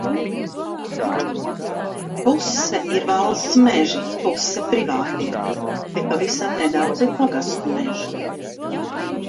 Puse ir valsts meži, puse ir privātie, un pavisam nedaudz ir pagastu mežu.